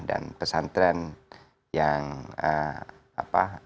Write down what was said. dan pesantren yang berbeda